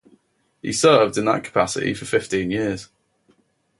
He served in that capacity for fifteen years.